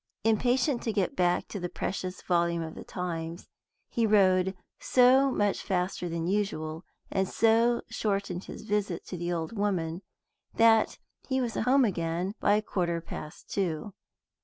Impatient to get back to the precious volume of the Times, he rode so much faster than usual, and so shortened his visit to the old woman, that he was home again by a quarter past two.